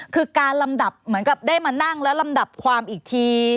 คือการลำดับเหมือนกับได้มานั่งแล้วลำดับความอีกที